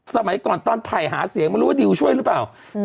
สมัยก่อนตอนไผ่หาเสียงไม่รู้ว่าดิวช่วยหรือเปล่า